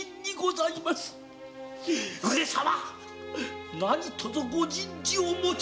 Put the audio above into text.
上様！